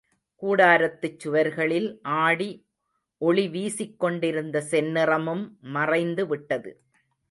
கூடாரத்துச் சுவர்களில் ஆடி ஒளி வீசிக்கொண்டிருந்த செந்நிறமும் மறைந்து விட்டது.